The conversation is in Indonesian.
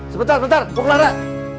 sebentar bentar buklaran